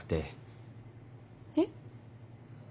えっ？